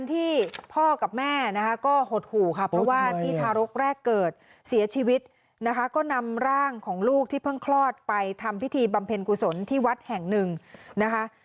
ทำพิธีบำเพรกุศลที่วัดแห่ง๑นะคะ